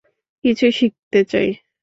কিছু শিখতে চাই।